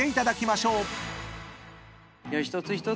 一つ一つ